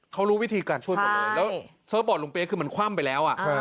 เขารู้วิธีการช่วยหมดเลยแล้วลุงเป๊ะคือมันคว่ำไปแล้วอ่ะ